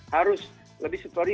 harus lebih sekurang kurangnya